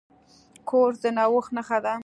کورس د نوښت نښه ده.